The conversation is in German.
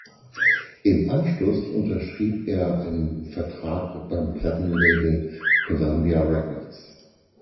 Im Anschluss unterschrieb er einen Vertrag beim Plattenlabel Columbia Records.